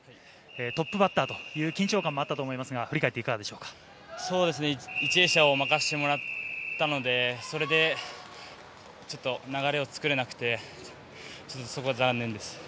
トップバッターという緊張感もあったと思いますが、振り返ってい１泳者を任せてもらったので、それでちょっと流れを作れなくて、ちょっとそこは残念です。